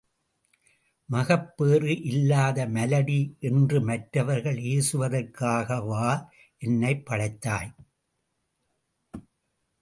மகப்பேறு இல்லாத மலடி என்று மற்றவர்கள் ஏசுவதற்காகவா என்னைப் படைத்தாய்?